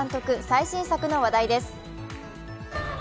最新作の話題です。